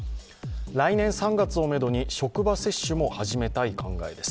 来年３月をめどに職場接種も始めたい考えです。